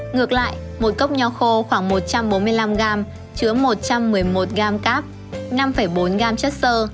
ngược lại một cốc nho khô khoảng một trăm bốn mươi năm gram chứa một trăm một mươi một gram cap năm bốn gram chất sơ